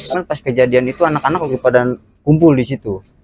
kan pas kejadian itu anak anak lupa dan kumpul disitu